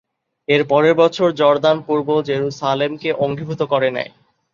এর পরের বছর জর্দান পূর্ব জেরুসালেমকে অঙ্গীভূত করে নেয়।